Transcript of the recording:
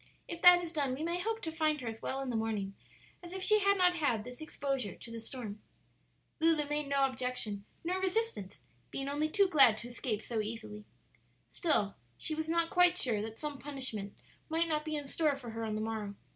"If that is done we may hope to find her as well in the morning as if she had not had this exposure to the storm." Lulu made no objection nor resistance, being only too glad to escape so easily. Still she was not quite sure that some punishment might not be in store for her on the morrow.